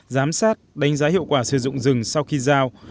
giám sát đánh giá hiệu quả sử dụng rừng sau khi giao